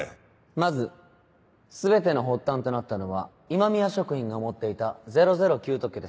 まず全ての発端となったのは今宮食品が持っていた００９特許です。